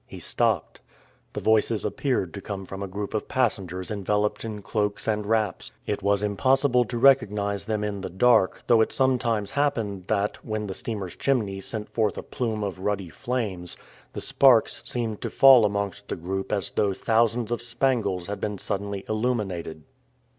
He stopped. The voices appeared to come from a group of passengers enveloped in cloaks and wraps. It was impossible to recognize them in the dark, though it sometimes happened that, when the steamer's chimney sent forth a plume of ruddy flames, the sparks seemed to fall amongst the group as though thousands of spangles had been suddenly illuminated.